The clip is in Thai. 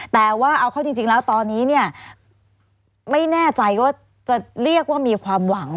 แต่ว่าเอาเข้าจริงแล้วตอนนี้เนี่ยไม่แน่ใจว่าจะเรียกว่ามีความหวัง